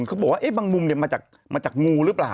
เขาบอกว่าบางมุมมาจากงูหรือเปล่า